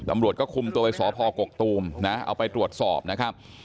ตำรวจก็คุมตัวไปสพกกตูมนะเอาไปตรวจสอบนะครับ